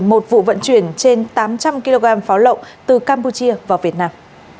một vụ vận chuyển trên tám trăm linh kg pháo lậu từ campuchia vào việt nam